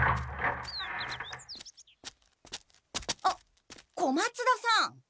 あっ小松田さん。